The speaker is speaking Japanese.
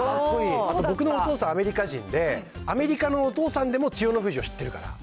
僕のお父さんアメリカ人で、アメリカのお父さんでも千代の富士を知ってるから。